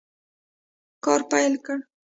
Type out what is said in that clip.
کار پیل کړ.